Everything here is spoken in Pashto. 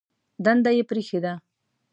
دنده یې پرېښې ده.